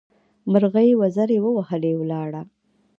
مرغۍ وزرې ووهلې؛ ولاړه.